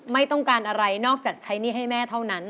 ไม่ต้องการอะไรนอกจากใช้หนี้ให้แม่เท่านั้น